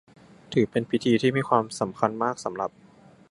ถือเป็นพิธีที่มีความสำคัญมากสำหรับ